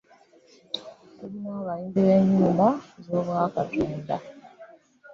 Tulina abayimbi be nyimba zo bwa Katonda.